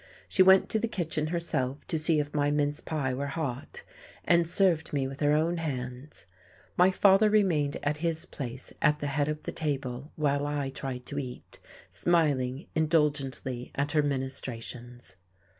She went to the kitchen herself to see if my mince pie were hot, and served me with her own hands. My father remained at his place at the head of the table while I tried to eat, smiling indulgently at her ministrations.